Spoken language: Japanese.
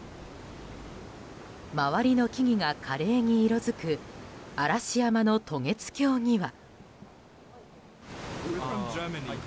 周りの木々が華麗に色づく嵐山の渡月橋には。